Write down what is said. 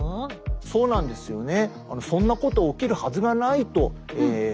そうなんですよね。